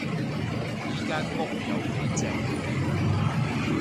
依間屋有幾靜